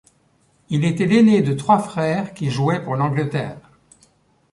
Il était l'aîné de trois frères qui jouaient pour l'Angleterre.